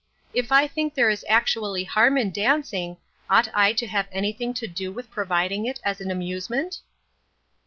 If I think there is actually harm in dancing, ought I to have anything to do with providing it as an amusement